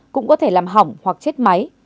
cũng có thể làm hỏng hoặc chết máy